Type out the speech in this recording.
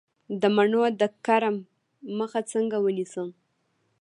د مڼو د کرم مخه څنګه ونیسم؟